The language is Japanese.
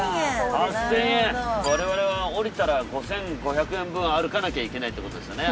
我々は降りたら５，５００円分歩かなきゃいけないってことですよね